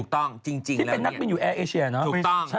ที่เป็นนักบินอยู่แอร์เอเชียนะ